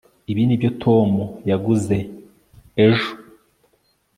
ibi nibyo tom yaguze ejo